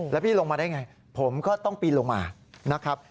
แล้วพี่ลงมาได้ไงผมก็ต้องปีนลงมานะครับ